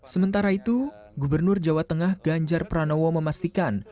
sementara itu gubernur jawa tengah ganjar pranowo memastikan